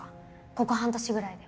ここ半年ぐらいで。